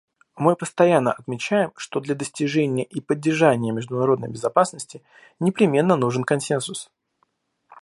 Мы постоянно отмечаем, что для достижения и поддержания международной безопасности непременно нужен консенсус.